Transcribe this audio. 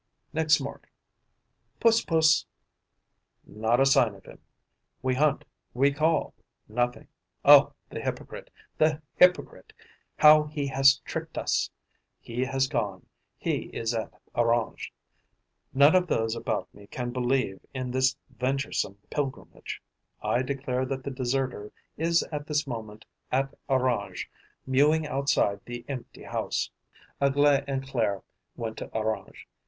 Next morning: 'Puss! Puss!' Not a sign of him! We hunt, we call. Nothing. Oh, the hypocrite, the hypocrite! How he has tricked us! He has gone, he is at Orange. None of those about me can believe in this venturesome pilgrimage. I declare that the deserter is at this moment at Orange mewing outside the empty house. Aglae and Claire went to Orange.